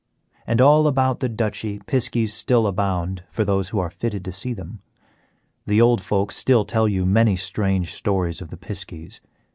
And all about the Duchy piskies still abound for those who are fitted to see them. The old folk will still tell you many strange stories of the piskies.